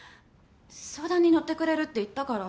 相談に乗ってくれるって言ったから。